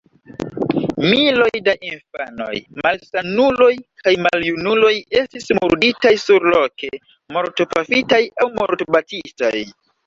Miloj da infanoj, malsanuloj kaj maljunuloj estis murditaj surloke: mortpafitaj aŭ mortbatitaj.